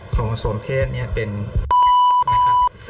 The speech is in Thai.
โครโมโซมเพศเป็นนะครับ